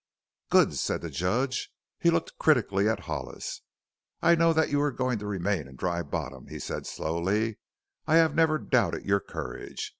"Good!" said the Judge. He looked critically at Hollis. "I know that you are going to remain in Dry Bottom," he said slowly; "I have never doubted your courage.